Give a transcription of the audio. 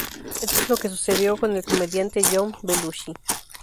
Esto es lo que sucedió con el comediante John Belushi.